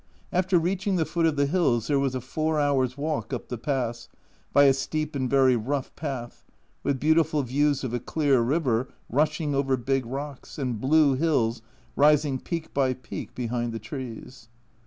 After reaching the foot of the hills there was a four hours' walk up the pass, by a steep and very rough path, with beautiful views of a clear river rushing over big rocks, and blue hills rising peak by peak behind the trees.